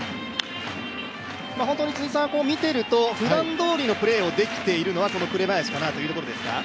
本当に見ているとふだんどおりのプレーをできているのは紅林というところですか。